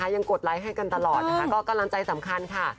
กดไลค์ให้กันตลอดนะคะก็กำลังใจสำคัญค่ะ